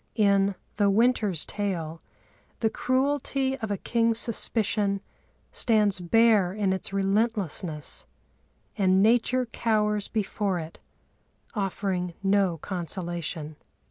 In The Winter's Tale the cruelty of a king's suspicion stands bare in its relentlessness, and Nature cowers before it, offering no consolation.